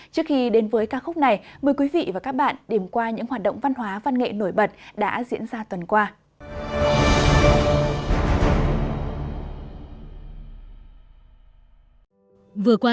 trước khi đến với ca khúc này mời quý vị và các bạn điểm qua những hoạt động văn hóa văn nghệ nổi bật đã diễn ra tuần qua